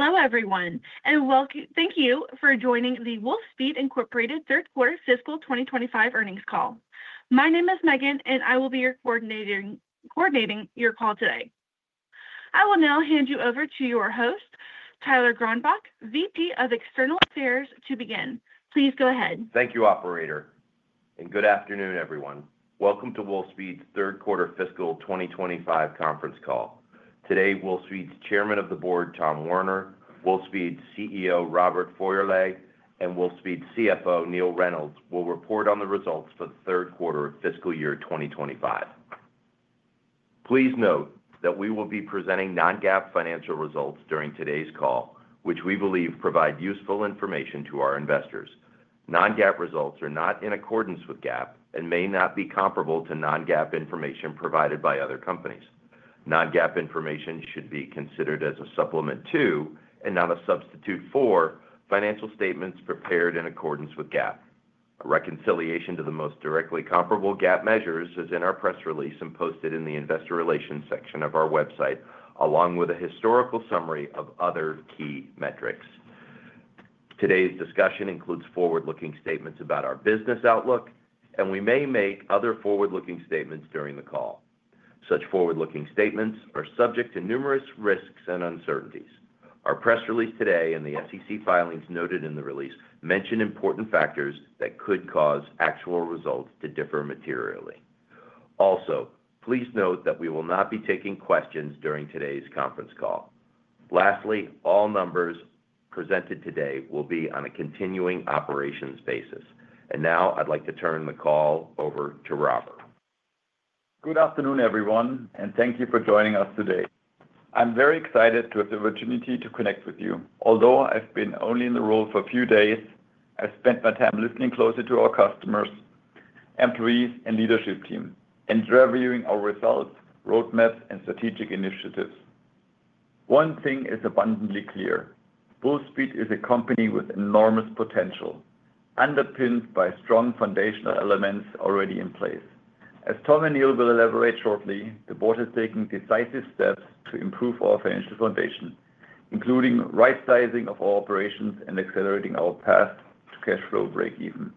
Hello, everyone, and welcome. Thank you for joining the Wolfspeed Inc third quarter fiscal 2025 earnings call. My name is Megan, and I will be coordinating your call today. I will now hand you over to your host, Tyler Gronbach, VP of External Affairs, to begin. Please go ahead. Thank you, Operator. Good afternoon, everyone. Welcome to Wolfspeed's third quarter fiscal 2025 conference call. Today, Wolfspeed's Chairman of the Board, Tom Werner, Wolfspeed's CEO, Robert Feurle, and Wolfspeed's CFO, Neil Reynolds, will report on the results for the third quarter of fiscal year 2025. Please note that we will be presenting non-GAAP financial results during today's call, which we believe provide useful information to our investors. Non-GAAP results are not in accordance with GAAP and may not be comparable to non-GAAP information provided by other companies. Non-GAAP information should be considered as a supplement to and not a substitute for financial statements prepared in accordance with GAAP. A reconciliation to the most directly comparable GAAP measures is in our press release and posted in the investor relations section of our website, along with a historical summary of other key metrics. Today's discussion includes forward-looking statements about our business outlook, and we may make other forward-looking statements during the call. Such forward-looking statements are subject to numerous risks and uncertainties. Our press release today and the SEC filings noted in the release mention important factors that could cause actual results to differ materially. Also, please note that we will not be taking questions during today's conference call. Lastly, all numbers presented today will be on a continuing operations basis. I would like to turn the call over to Robert. Good afternoon, everyone, and thank you for joining us today. I'm very excited to have the opportunity to connect with you. Although I've been only in the role for a few days, I've spent my time listening closer to our customers, employees, and leadership team and reviewing our results, roadmaps, and strategic initiatives. One thing is abundantly clear: Wolfspeed is a company with enormous potential, underpinned by strong foundational elements already in place. As Tom and Neil will elaborate shortly, the board is taking decisive steps to improve our financial foundation, including right-sizing of our operations and accelerating our path to cash flow break-even.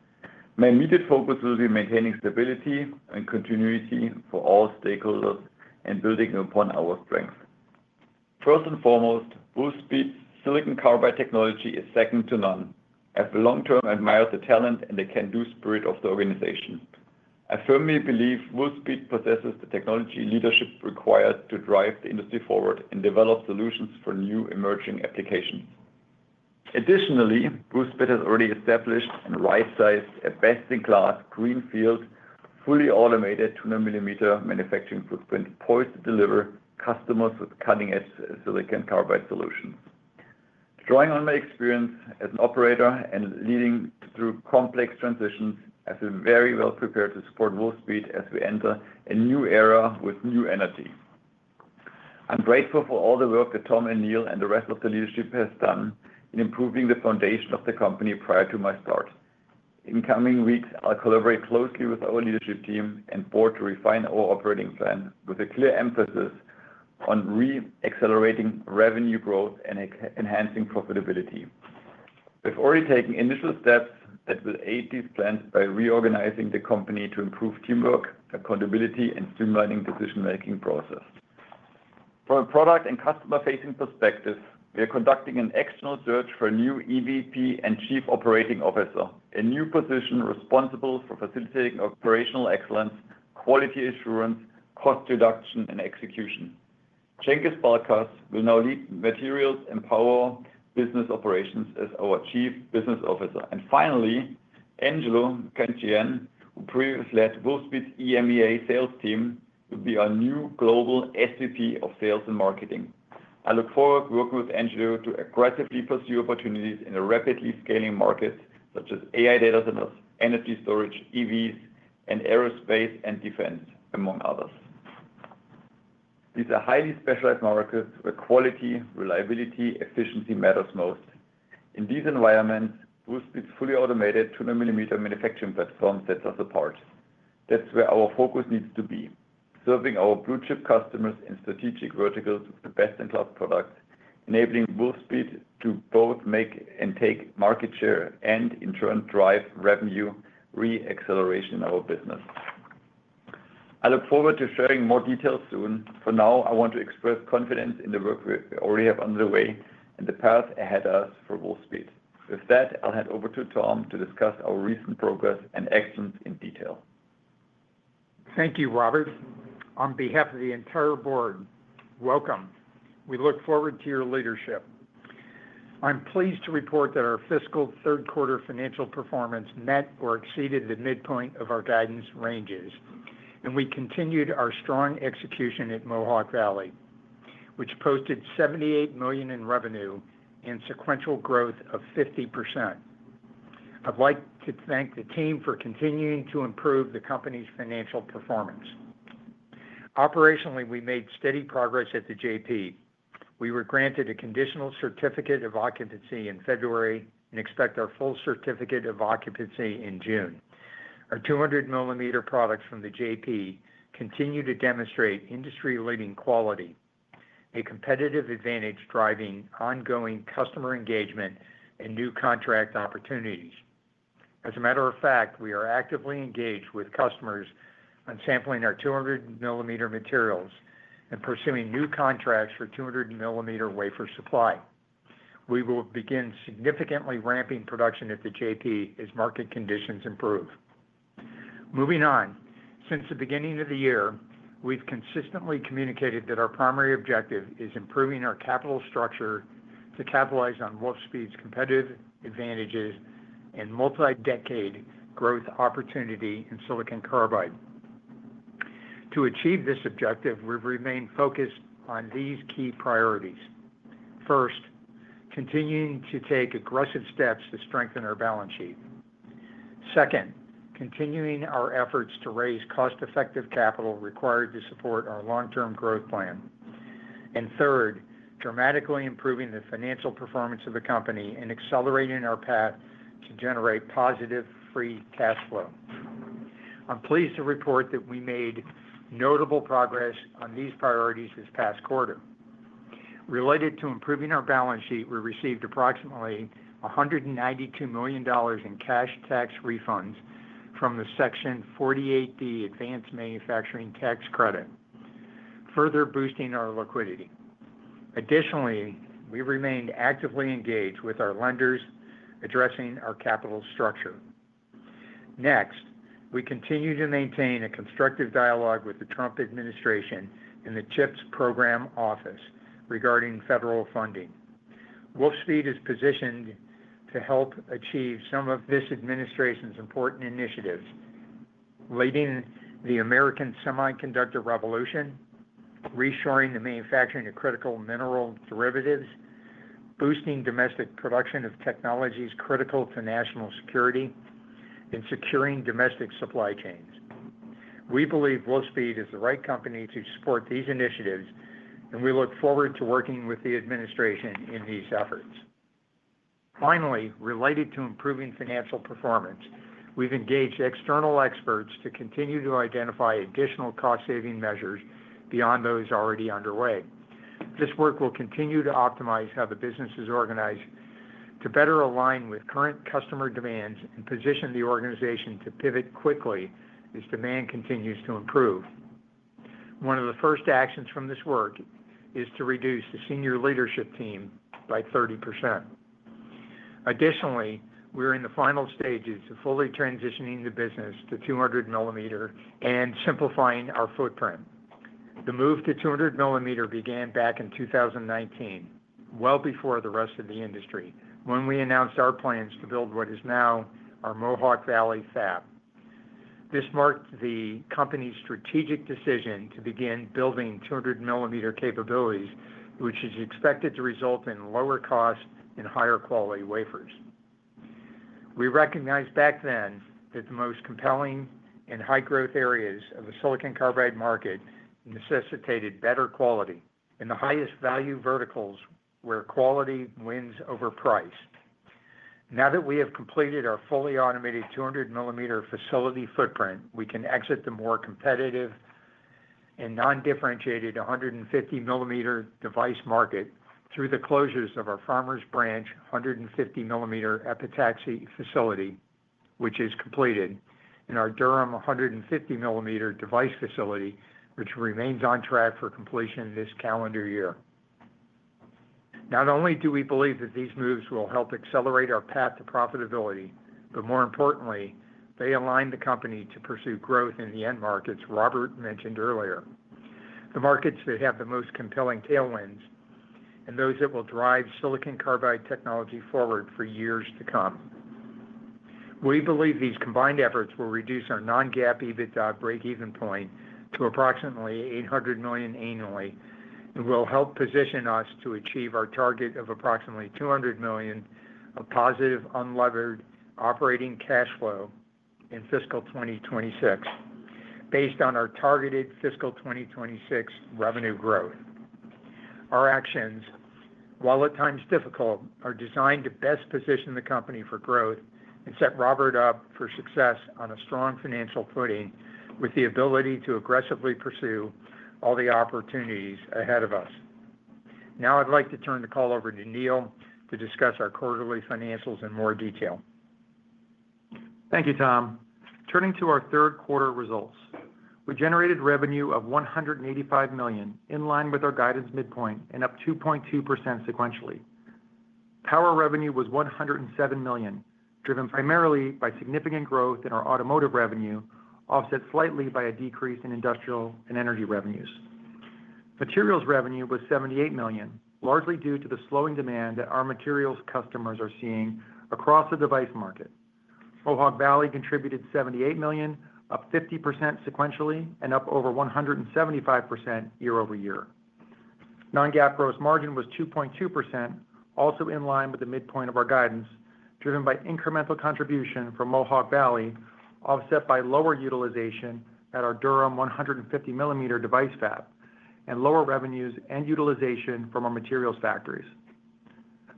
My immediate focus will be maintaining stability and continuity for all stakeholders and building upon our strengths. First and foremost, Wolfspeed's silicon carbide technology is second to none. I've long-term admired the talent and the can-do spirit of the organization. I firmly believe Wolfspeed possesses the technology leadership required to drive the industry forward and develop solutions for new emerging applications. Additionally, Wolfspeed has already established and right-sized a best-in-class greenfield fully automated 200 mm manufacturing footprint poised to deliver customers with cutting-edge silicon carbide solutions. Drawing on my experience as an operator and leading through complex transitions, I feel very well prepared to support Wolfspeed as we enter a new era with new energy. I'm grateful for all the work that Tom and Neil and the rest of the leadership have done in improving the foundation of the company prior to my start. In coming weeks, I'll collaborate closely with our leadership team and board to refine our operating plan with a clear emphasis on re-accelerating revenue growth and enhancing profitability. We've already taken initial steps that will aid these plans by reorganizing the company to improve teamwork, accountability, and streamlining decision-making process. From a product and customer-facing perspective, we are conducting an external search for a new EVP and Chief Operating Officer, a new position responsible for facilitating operational excellence, quality assurance, cost reduction, and execution. Cengiz Balkas will now lead Materials and Power Business Operations as our Chief Business Officer. Finally, Angelo Cancian, who previously led Wolfspeed's EMEA sales team, will be our new global SVP of Sales and Marketing. I look forward to working with Angelo to aggressively pursue opportunities in a rapidly scaling market such as AI data centers, energy storage, EVs, and aerospace and defense, among others. These are highly specialized markets where quality, reliability, and efficiency matter most. In these environments, Wolfspeed's fully automated 200 mm manufacturing platform sets us apart. That's where our focus needs to be, serving our blue-chip customers in strategic verticals with the best-in-class products, enabling Wolfspeed to both make and take market share and, in turn, drive revenue re-acceleration in our business. I look forward to sharing more details soon. For now, I want to express confidence in the work we already have underway and the path ahead of us for Wolfspeed. With that, I'll hand over to Tom to discuss our recent progress and actions in detail. Thank you, Robert. On behalf of the entire board, welcome. We look forward to your leadership. I'm pleased to report that our fiscal third-quarter financial performance met or exceeded the midpoint of our guidance ranges, and we continued our strong execution at Mohawk Valley, which posted $78 million in revenue and sequential growth of 50%. I'd like to thank the team for continuing to improve the company's financial performance. Operationally, we made steady progress at the JP. We were granted a conditional certificate of occupancy in February and expect our full certificate of occupancy in June. Our 200 mm products from the JP continue to demonstrate industry-leading quality, a competitive advantage driving ongoing customer engagement and new contract opportunities. As a matter of fact, we are actively engaged with customers on sampling our 200 mm materials and pursuing new contracts for 200 mm wafer supply. We will begin significantly ramping production at the JP as market conditions improve. Moving on, since the beginning of the year, we've consistently communicated that our primary objective is improving our capital structure to capitalize on Wolfspeed's competitive advantages and multi-decade growth opportunity in silicon carbide. To achieve this objective, we've remained focused on these key priorities. First, continuing to take aggressive steps to strengthen our balance sheet. Second, continuing our efforts to raise cost-effective capital required to support our long-term growth plan. Third, dramatically improving the financial performance of the company and accelerating our path to generate positive free cash flow. I'm pleased to report that we made notable progress on these priorities this past quarter. Related to improving our balance sheet, we received approximately $192 million in cash tax refunds from the Section 48D advanced manufacturing tax credit, further boosting our liquidity. Additionally, we remained actively engaged with our lenders, addressing our capital structure. Next, we continue to maintain a constructive dialogue with the Trump administration and the CHIPS program office regarding federal funding. Wolfspeed is positioned to help achieve some of this administration's important initiatives, leading the American semiconductor revolution, reassuring the manufacturing of critical mineral derivatives, boosting domestic production of technologies critical to national security, and securing domestic supply chains. We believe Wolfspeed is the right company to support these initiatives, and we look forward to working with the administration in these efforts. Finally, related to improving financial performance, we've engaged external experts to continue to identify additional cost-saving measures beyond those already underway. This work will continue to optimize how the business is organized to better align with current customer demands and position the organization to pivot quickly as demand continues to improve. One of the first actions from this work is to reduce the senior leadership team by 30%. Additionally, we're in the final stages of fully transitioning the business to 200 mm and simplifying our footprint. The move to 200 mm began back in 2019, well before the rest of the industry, when we announced our plans to build what is now our Mohawk Valley fab. This marked the company's strategic decision to begin building 200 mm capabilities, which is expected to result in lower cost and higher quality wafers. We recognized back then that the most compelling and high-growth areas of the silicon carbide market necessitated better quality and the highest value verticals where quality wins over price. Now that we have completed our fully automated 200 mm facility footprint, we can exit the more competitive and non-differentiated 150 mm device market through the closures of our Farmers Branch 150 mm epitaxy facility, which is completed, and our Durham 150 mm device facility, which remains on track for completion this calendar year. Not only do we believe that these moves will help accelerate our path to profitability, but more importantly, they align the company to pursue growth in the end markets Robert mentioned earlier, the markets that have the most compelling tailwinds and those that will drive silicon carbide technology forward for years to come. We believe these combined efforts will reduce our non-GAAP EBITDA break-even point to approximately $800 million annually and will help position us to achieve our target of approximately $200 million of positive unlevered operating cash flow in fiscal 2026, based on our targeted fiscal 2026 revenue growth. Our actions, while at times difficult, are designed to best position the company for growth and set Robert up for success on a strong financial footing with the ability to aggressively pursue all the opportunities ahead of us. Now I'd like to turn the call over to Neil to discuss our quarterly financials in more detail. Thank you, Tom. Turning to our third-quarter results, we generated revenue of $185 million in line with our guidance midpoint and up 2.2% sequentially. Power revenue was $107 million, driven primarily by significant growth in our automotive revenue, offset slightly by a decrease in industrial and energy revenues. Materials revenue was $78 million, largely due to the slowing demand that our materials customers are seeing across the device market. Mohawk Valley contributed $78 million, up 50% sequentially, and up over 175% year-over-year. Non-GAAP gross margin was 2.2%, also in line with the midpoint of our guidance, driven by incremental contribution from Mohawk Valley, offset by lower utilization at our Durham 150 mm device fab and lower revenues and utilization from our materials factories.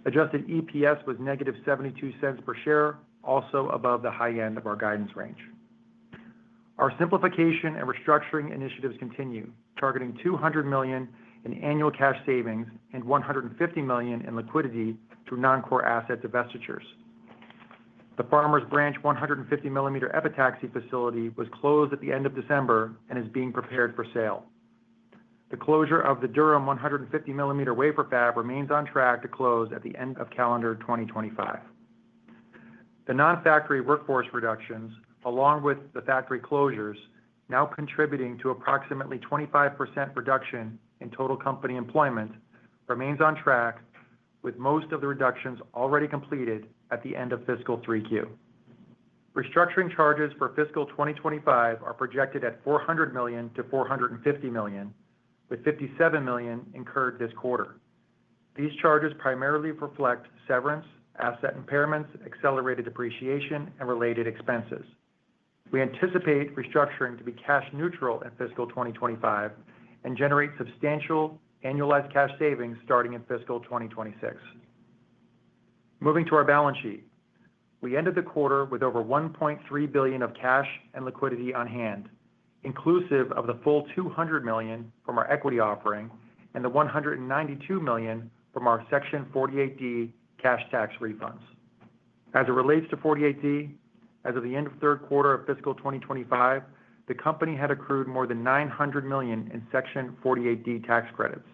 Adjusted EPS was -$0.72 per share, also above the high end of our guidance range. Our simplification and restructuring initiatives continue, targeting $200 million in annual cash savings and $150 million in liquidity through non-core asset divestitures. The Farmers Branch 150 mm epitaxy facility was closed at the end of December and is being prepared for sale. The closure of the Durham 150 mm wafer fab remains on track to close at the end of calendar 2025. The non-factory workforce reductions, along with the factory closures, now contributing to approximately 25% reduction in total company employment, remain on track, with most of the reductions already completed at the end of fiscal 3Q. Restructuring charges for fiscal 2025 are projected at $400 million-$450 million, with $57 million incurred this quarter. These charges primarily reflect severance, asset impairments, accelerated depreciation, and related expenses. We anticipate restructuring to be cash neutral in fiscal 2025 and generate substantial annualized cash savings starting in fiscal 2026. Moving to our balance sheet, we ended the quarter with over $1.3 billion of cash and liquidity on hand, inclusive of the full $200 million from our equity offering and the $192 million from our Section 48D cash tax refunds. As it relates to 48D, as of the end of third quarter of fiscal 2025, the company had accrued more than $900 million in Section 48D tax credits,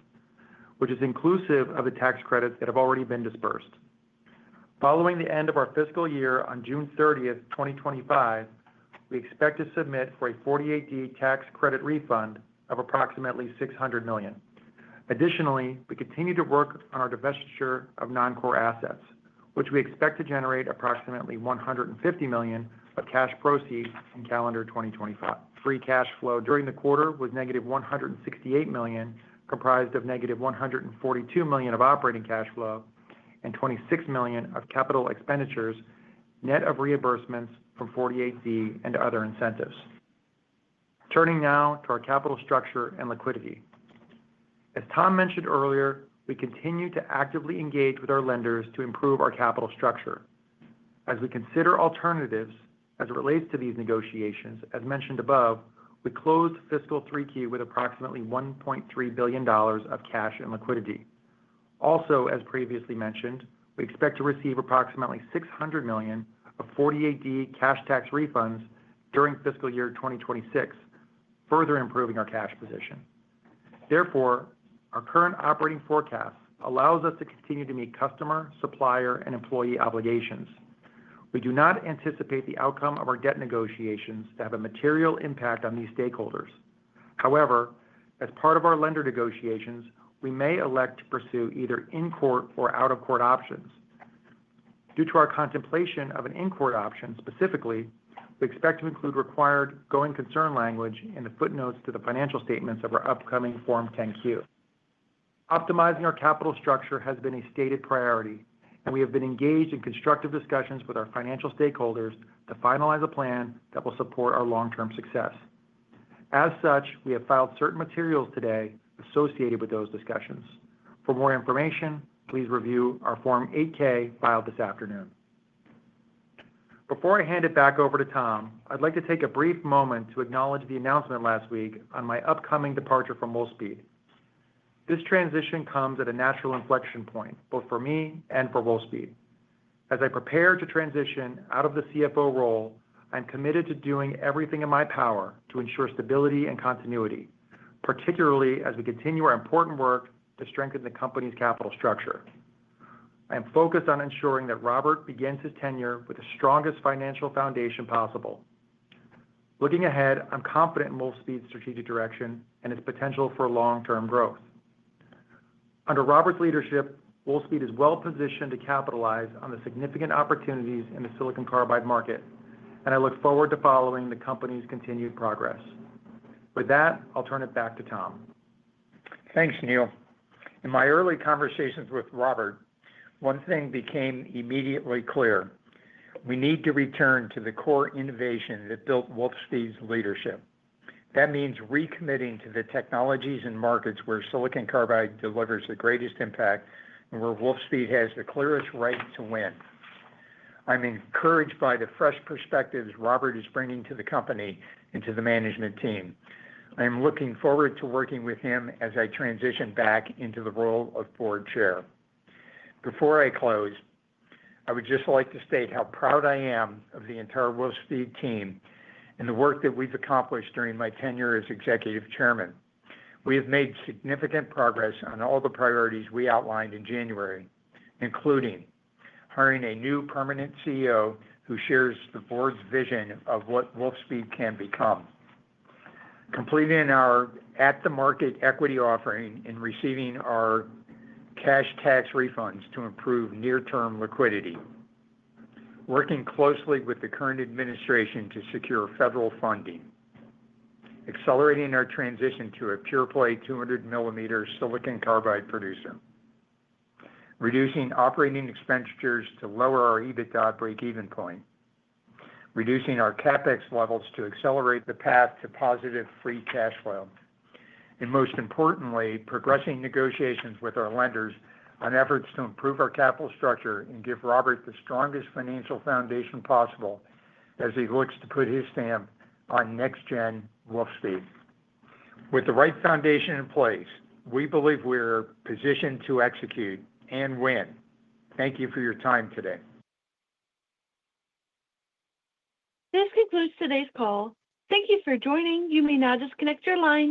which is inclusive of the tax credits that have already been dispersed. Following the end of our fiscal year on June 30th, 2025, we expect to submit for a 48D tax credit refund of approximately $600 million. Additionally, we continue to work on our divestiture of non-core assets, which we expect to generate approximately $150 million of cash proceeds in calendar 2025. Free cash flow during the quarter was -$168 million, comprised of -$142 million of operating cash flow and $26 million of capital expenditures, net of reimbursements from 48D and other incentives. Turning now to our capital structure and liquidity. As Tom mentioned earlier, we continue to actively engage with our lenders to improve our capital structure. As we consider alternatives as it relates to these negotiations, as mentioned above, we closed fiscal 3Q with approximately $1.3 billion of cash and liquidity. Also, as previously mentioned, we expect to receive approximately $600 million of Section 48D cash tax refunds during fiscal year 2026, further improving our cash position. Therefore, our current operating forecast allows us to continue to meet customer, supplier, and employee obligations. We do not anticipate the outcome of our debt negotiations to have a material impact on these stakeholders. However, as part of our lender negotiations, we may elect to pursue either in-court or out-of-court options. Due to our contemplation of an in-court option specifically, we expect to include required going concern language in the footnotes to the financial statements of our upcoming Form 10-Q. Optimizing our capital structure has been a stated priority, and we have been engaged in constructive discussions with our financial stakeholders to finalize a plan that will support our long-term success. As such, we have filed certain materials today associated with those discussions. For more information, please review our Form 8-K filed this afternoon. Before I hand it back over to Tom, I'd like to take a brief moment to acknowledge the announcement last week on my upcoming departure from Wolfspeed. This transition comes at a natural inflection point, both for me and for Wolfspeed. As I prepare to transition out of the CFO role, I'm committed to doing everything in my power to ensure stability and continuity, particularly as we continue our important work to strengthen the company's capital structure. I am focused on ensuring that Robert begins his tenure with the strongest financial foundation possible. Looking ahead, I'm confident in Wolfspeed's strategic direction and its potential for long-term growth. Under Robert's leadership, Wolfspeed is well positioned to capitalize on the significant opportunities in the silicon carbide market, and I look forward to following the company's continued progress. With that, I'll turn it back to Tom. Thanks, Neil. In my early conversations with Robert, one thing became immediately clear. We need to return to the core innovation that built Wolfspeed's leadership. That means recommitting to the technologies and markets where silicon carbide delivers the greatest impact and where Wolfspeed has the clearest right to win. I'm encouraged by the fresh perspectives Robert is bringing to the company and to the management team. I am looking forward to working with him as I transition back into the role of board chair. Before I close, I would just like to state how proud I am of the entire Wolfspeed team and the work that we've accomplished during my tenure as executive chairman. We have made significant progress on all the priorities we outlined in January, including hiring a new permanent CEO who shares the board's vision of what Wolfspeed can become, completing our at-the-market equity offering and receiving our cash tax refunds to improve near-term liquidity, working closely with the current administration to secure federal funding, accelerating our transition to a pure-play 200 mm silicon carbide producer, reducing operating expenditures to lower our EBITDA break-even point, reducing our CapEx levels to accelerate the path to positive free cash flow, and most importantly, progressing negotiations with our lenders on efforts to improve our capital structure and give Robert the strongest financial foundation possible as he looks to put his stamp on next-gen Wolfspeed. With the right foundation in place, we believe we're positioned to execute and win. Thank you for your time today. This concludes today's call. Thank you for joining. You may now disconnect your line.